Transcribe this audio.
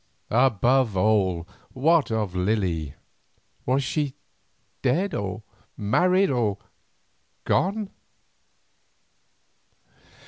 Above all what of Lily, was she dead or married or gone?